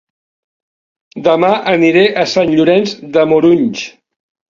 Dema aniré a Sant Llorenç de Morunys